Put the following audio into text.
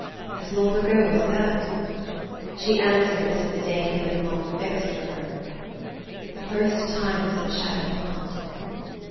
"As long ago as that?" She answered, as if the date had long been fixed for her: "The first time was at Shadow Pond."